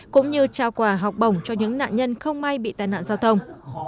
cũng như trao quà học bổng cho những nạn nhân không may bị tai nạn giao thông